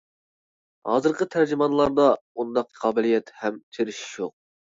ھازىرقى تەرجىمانلاردا ئۇنداق قابىلىيەت، ھەم تىرىشىش يوق.